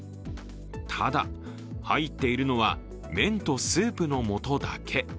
ただ、入っているのは麺とスープのもとだけ。